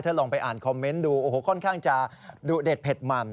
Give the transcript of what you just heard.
ลองไปอ่านคอมเมนต์ดูโอ้โหค่อนข้างจะดุเด็ดเผ็ดมัน